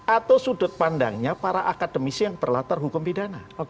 atau sudut pandangnya para akademisi yang berlatar hukum pidana